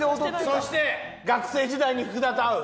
そして学生時代に福田と会う。